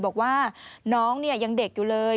บอกว่าน้องเนี่ยยังเด็กอยู่เลย